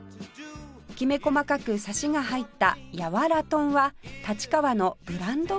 きめ細かくサシが入った柔豚は立川のブランド豚